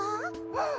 うん。